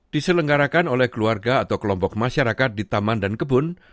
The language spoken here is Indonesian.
diselenggarakan oleh keluarga atau kelompok masyarakat di taman dan kebun